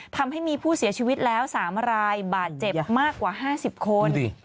ทำให้มีผู้เสียชีวิตแล้ว๓รายบาดเจ็บมากกว่า๕๐คน